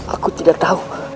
aku tidak tahu